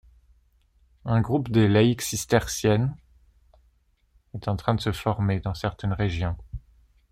Un groupe des laïques cisterciennes est en train de se former dans certaines régions.